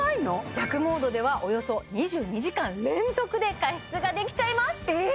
弱モードではおよそ２２時間連続で加湿ができちゃいますえ？